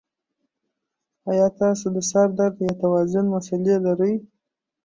ایا تاسو د سر درد یا توازن مسلې لرئ؟